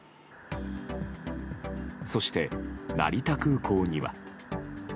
そして、成田空港には。